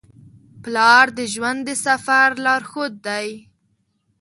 پلار د ژوند د سفر لارښود دی.